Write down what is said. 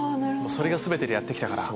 それが全てでやってきたから。